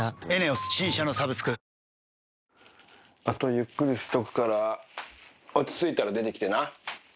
ゆっくりしとくから、落ち着いたら出てきてな。